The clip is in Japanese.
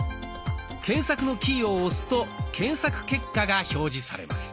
検索のキーを押すと検索結果が表示されます。